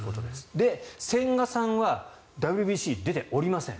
千賀さんは、ＷＢＣ出ておりません。